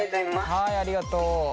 はいありがとう。